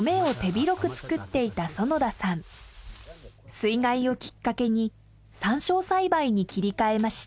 水害をきっかけにサンショウ栽培に切り替えました。